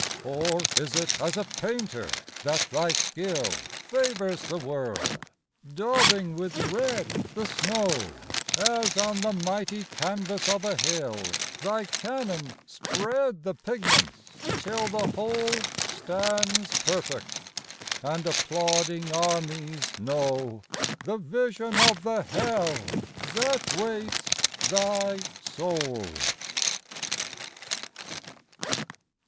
Or is it as a painter that thy skill Favors the world? daubing with red the snow, As on the mighty canvas of a hill Thy cannon spread the pigments, till the whole Stands perfect, and applauding armies know The vision of the Hell that waits thy soul.